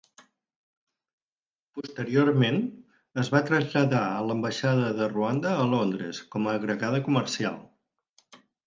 Posteriorment, es va traslladar a l'ambaixada de Ruanda a Londres com a agregada comercial.